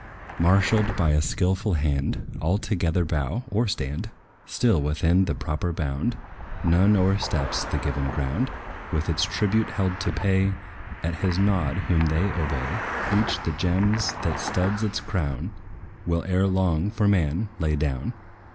Marshalled by a skilful hand, All together bow, or stand Still, within the proper bound: None o'ersteps the given ground, With its tribute held to pay, At his nod whom they obey, Each the gems, that stud its crown, Will ere long, for man, lay down.